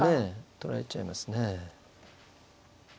取られちゃいますね。